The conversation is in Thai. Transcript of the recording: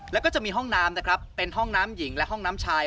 แล้วก็จะมีห้องน้ำนะครับเป็นห้องน้ำหญิงและห้องน้ำชาย